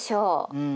うん。